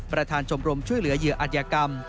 ประธานชมรมช่วยเหลือเหยื่ออัธยกรรม